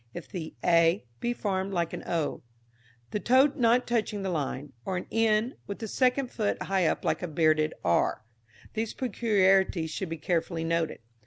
If the a be formed like an o, the toe not touching the line, or an n with the second foot high up like a bearded r, these peculiarities should be carefully noted.